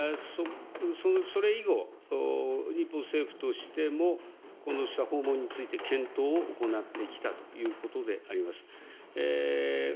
それ以後、日本政府としても、こうした訪問について検討を行ってきたということであります。